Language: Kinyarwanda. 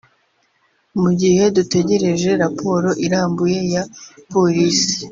“Mu gihe dutegereje raporo irambuye ya polisi